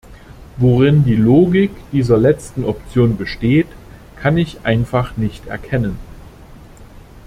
Worin die Logik dieser letzten Option besteht, kann ich einfach nicht erkennen.